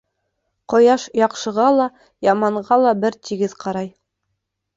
Ҡояш яҡшыға ла, яманға ла бер тигеҙ ҡарай.